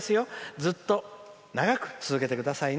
ずっと長く続けてくださいね。